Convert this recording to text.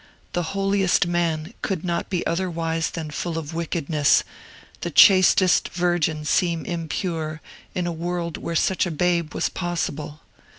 The holiest man could not be otherwise than full of wickedness, the chastest virgin seemed impure, in a world where such a babe was possible.